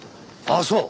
ああそう！